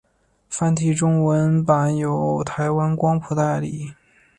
繁体中文版由台湾光谱代理。